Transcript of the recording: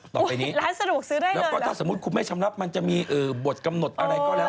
ต่อไปนี้แล้วก็ถ้าสมมุติคุณไม่ชำระมันจะมีบทกำหนดอะไรก็แล้ว